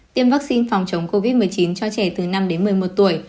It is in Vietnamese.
tiêm vaccine phòng chống covid một mươi chín cho trẻ từ năm đến một mươi một tuổi